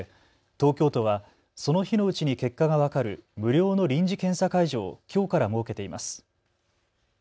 東京都はその日のうちに結果が分かる無料の臨時検査会場を、きょうから設けています。